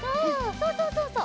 そうそうそうそう。